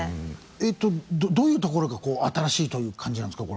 えっとどういうところが新しいという感じなんですか？